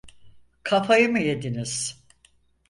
Kafayı mı yediniz?